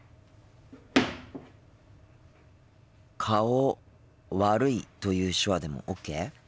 「顔悪い」という手話でもＯＫ？